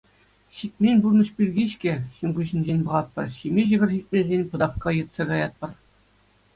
Ҫитмен пурнӑҫ пирки-ҫке ҫын куҫӗнчен пӑхатпӑр, ҫиме ҫӑкӑр ҫитмесен, пӑтавкка йӑтса каятпӑр.